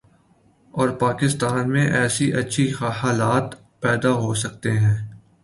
اور پاکستان میں ایسے اچھے حالات پیدا ہوسکتے ہیں ۔